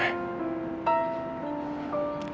karena kalau edo mengejar kamila terus